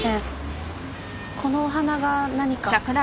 このお花が何か？